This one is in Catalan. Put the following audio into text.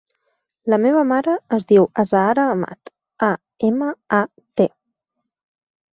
La meva mare es diu Azahara Amat: a, ema, a, te.